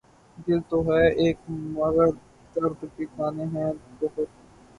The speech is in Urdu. دل تو ہے ایک مگر درد کے خانے ہیں بہت